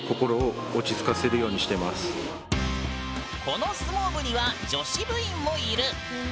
この相撲部には女子部員もいる。